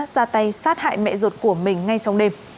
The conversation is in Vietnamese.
ra tay sát hại mẹ ruột của mình ngay trong đêm